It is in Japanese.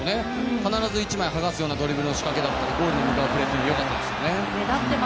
必ず１枚剥がすようなドリブルの仕掛けだったり、ゴールに向かっていく姿勢が良かったですよね。